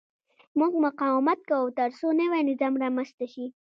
موږ مقاومت کوو ترڅو نوی نظام رامنځته شي.